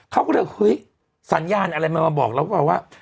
เขาก็เรียกเฮ้ยสัญญาณอะไรมันมาบอกแล้วว่า